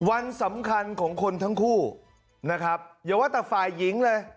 วันสำคัญของคนทั้งคู่นะครับอย่าว่าแต่ฝ่ายหญิงเลย